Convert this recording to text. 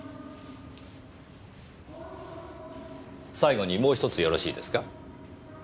最後にもう１つよろしいですか？